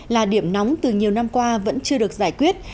là điểm nóng từ nhiều năm qua vẫn chưa được giải quyết